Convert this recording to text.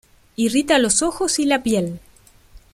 Irrita los ojos y la piel.